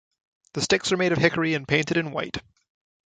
The sticks are made of hickory and painted in white.